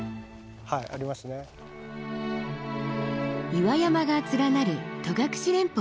岩山が連なる戸隠連峰。